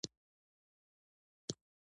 آیا د پښتنو په کور کې ډوډۍ په ځمکه نه خوړل کیږي؟